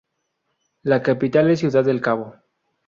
La capital es Ciudad del Cabo.